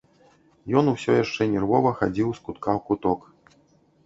Ён усё яшчэ нервова хадзіў з кутка ў куток.